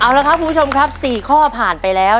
เอาละครับคุณผู้ชมครับ๔ข้อผ่านไปแล้ว